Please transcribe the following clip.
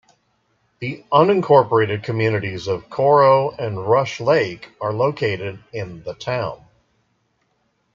The unincorporated communities of Koro and Rush Lake are located in the town.